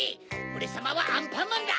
オレさまはアンパンマンだ！